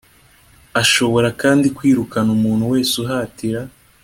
Ashobora kandi kwirukana umuntu wese uhatira